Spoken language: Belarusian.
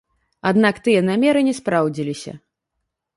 Аднак тыя намеры не спраўдзіліся.